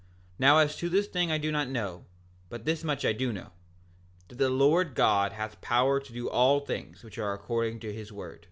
Now as to this thing I do not know; but this much I do know, that the Lord God hath power to do all things which are according to his word.